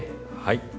はい。